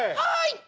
はい！